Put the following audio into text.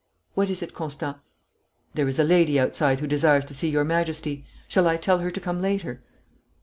What is it, Constant?' 'There is a lady outside who desires to see your Majesty. Shall I tell her to come later?'